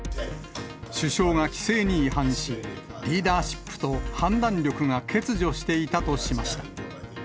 首相が規制に違反し、リーダーシップと判断力が欠如していたとしました。